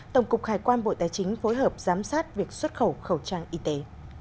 tổng cục hải quan bộ tài chính phối hợp giám sát việc xuất khẩu khẩu trang y tế